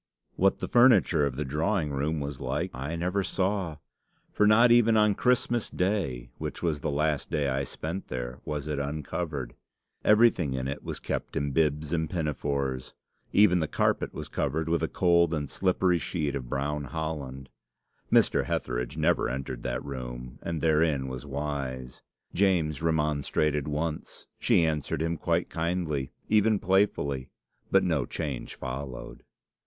What the furniture of the drawing room was like, I never saw; for not even on Christmas Day, which was the last day I spent there, was it uncovered. Everything in it was kept in bibs and pinafores. Even the carpet was covered with a cold and slippery sheet of brown holland. Mr. Hetheridge never entered that room, and therein was wise. James remonstrated once. She answered him quite kindly, even playfully, but no change followed.